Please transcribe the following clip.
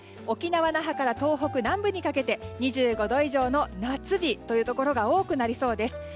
沖縄・那覇、東北南部にかけて２５度以上の夏日というところが多くなりそうです。